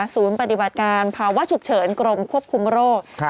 ศูนย์ปฏิบัติการภาวะฉุกเฉินกรมควบคุมโรค